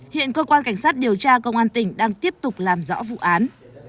hiện cơ quan cảnh sát điều tra công an tỉnh đang tiếp tục làm rõ vụ án